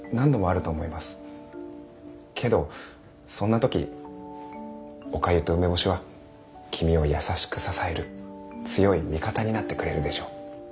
けどそんな時おかゆと梅干しは君を優しく支える強い味方になってくれるでしょう。